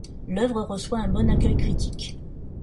L'œuvre reçoit un bon accueil critique.